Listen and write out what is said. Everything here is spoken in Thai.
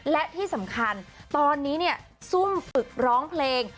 และที่สำคัญตอนนี้เนี่ยซุ่มฝึกร้องเพลง